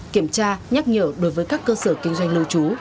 kiểm tra nhắc nhở đối với các cơ sở kinh doanh lưu trú